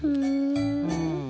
うん。